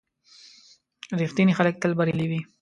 • رښتیني خلک تل بریالي وي.